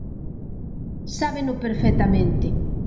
Sábeno perfectamente.